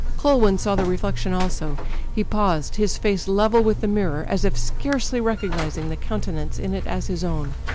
Culwin saw the reflection also. He paused, his face level with the mirror, as if scarcely recognising the coun tenance in it as his own.